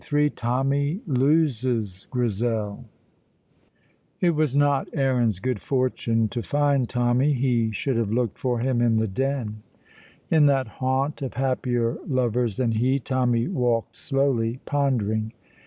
CHAPTER XXIII TOMMY LOSES GRIZEL It was not Aaron's good fortune to find Tommy. He should have looked for him in the Den. In that haunt of happier lovers than he, Tommy walked slowly, pondering.